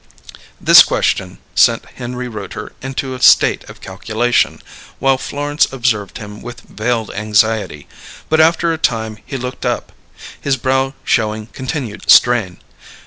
This question sent Henry Rooter into a state of calculation, while Florence observed him with veiled anxiety; but after a time he looked up, his brow showing continued strain.